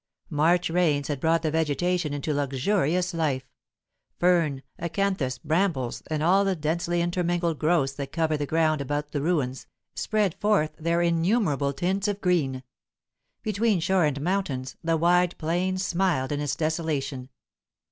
March rains had brought the vegetation into luxurious life; fern, acanthus, brambles, and all the densely intermingled growths that cover the ground about the ruins, spread forth their innumerable tints of green. Between shore and mountains, the wide plain smiled in its desolation.